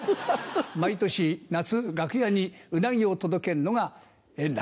毎年夏楽屋にうなぎを届けるのが円楽。